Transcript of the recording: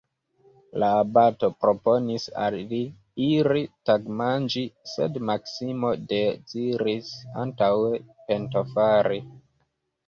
La abato proponis al li iri tagmanĝi, sed Maksimo deziris antaŭe pentofari.